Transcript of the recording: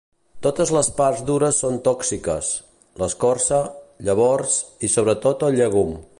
Totes les parts dures són tòxiques: l'escorça, llavors i sobretot el llegum.